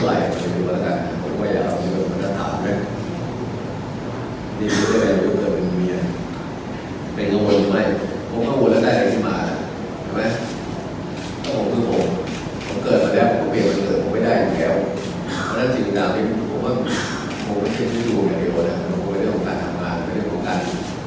ในช่วงร่างบันทึกจะมีใจของทุกคน